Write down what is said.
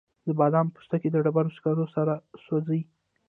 د بادامو پوستکي د ډبرو سکرو سره سوځي؟